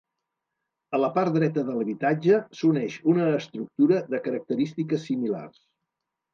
A la part dreta de l'habitatge s'uneix una estructura de característiques similars.